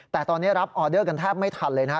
แต่ตอนนี้รับออเดอร์กันแทบไม่ทันเลยนะฮะ